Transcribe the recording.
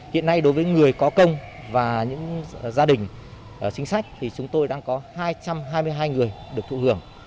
hiện nay đối với người có công và những gia đình chính sách thì chúng tôi đang có hai trăm hai mươi hai người được thụ hưởng